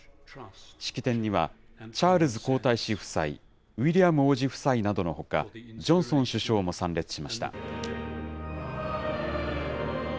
式典にはチャールズ皇太子夫妻、ウィリアム王子夫妻などのほか、ジョンソン首相も参列しました。